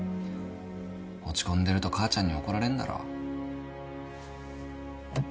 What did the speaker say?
落ち込んでると母ちゃんに怒られんだろ。